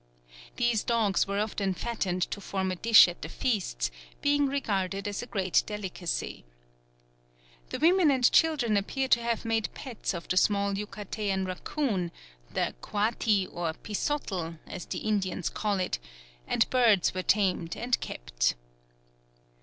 These dogs were often fattened to form a dish at the feasts, being regarded as a great delicacy. The women and children appear to have made pets of the small Yucatecan racoon, the coati or pisotl, as the Indians call it, and birds were tamed and kept.